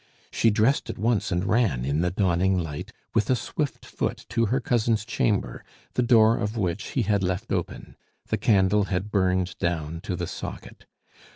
She dressed at once and ran, in the dawning light, with a swift foot to her cousin's chamber, the door of which he had left open. The candle had burned down to the socket.